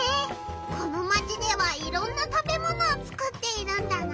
このマチではいろんな食べものをつくっているんだな！